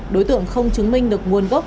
đối tượng không chứng minh được nguồn gốc